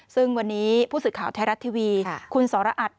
ซึ่งวันนี้ผู้สื่อข่าวไทยรัฐทีวีคุณสรอัต